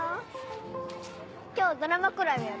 今日ドラマクラブやる？